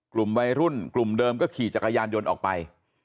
กลุ่มวัยรุ่นกลุ่มเดิมก็ขี่จักรยานยนต์ออกไป